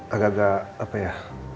agak agak apa ya